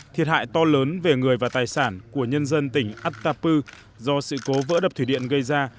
thiệt hại to lớn về người và tài sản của nhân dân tỉnh atapu do sự cố vỡ đập thủy điện gây ra